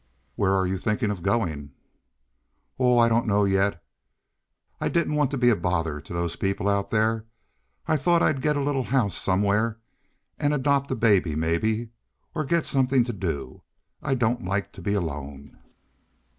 "Where are you thinking of going?" "Oh, I don't know yet. I didn't want to be a bother to those people out there. I thought I'd get a little house somewhere and adopt a baby maybe, or get something to do. I don't like to be alone."